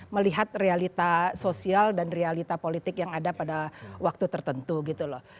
melihat realita sosial dan realita politik yang ada pada waktu tertentu gitu loh